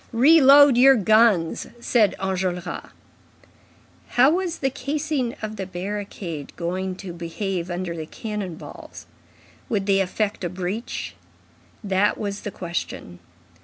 "Reload your guns," said Enjolras. How was the casing of the barricade going to behave under the cannon balls? Would they effect a breach? That was the question.